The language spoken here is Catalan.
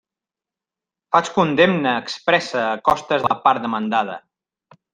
Faig condemna expressa a costes a la part demandada.